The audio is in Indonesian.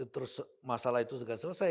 terus masalah itu sudah selesai